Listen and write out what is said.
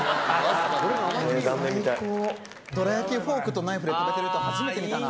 どら焼きフォークとナイフで食べてる人初めて見たな。